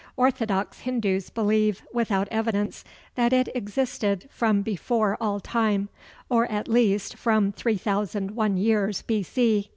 Orthodox Hindus believe, without evidence, that it existed "from before all time," or at least from 3001 years B.C.